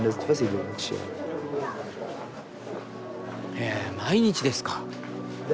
へぇ毎日ですか？